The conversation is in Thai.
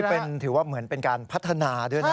ถือว่าเหมือนเป็นการพัฒนาด้วยนะ